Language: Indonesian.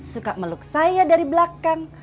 suka meluk saya dari belakang